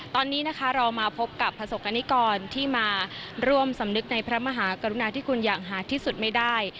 ตอนนี้นะคะเรามาพบกับประสบกรณิกรที่มาร่วมสำนึกในพระมหากรุณาที่คุณอย่างหาดที่สุดไม่ได้